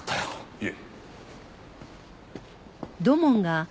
いえ。